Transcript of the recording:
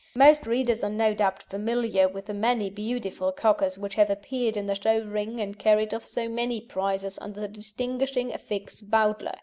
Most readers are no doubt familiar with the many beautiful Cockers which have appeared in the show ring and carried off so many prizes under the distinguishing affix Bowdler.